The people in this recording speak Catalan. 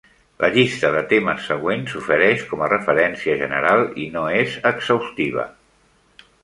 La llista de temes següent s'ofereix com a referència general i no és exhaustiva.